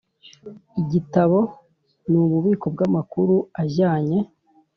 igitabo ni ububiko bw amakuru ajyanye